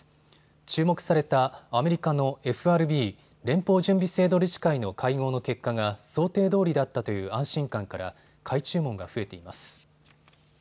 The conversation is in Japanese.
注目されたアメリカのＦＲＢ・連邦準備制度理事会の会合の結果が想定どおりだったという安心感から買い注文が増えています。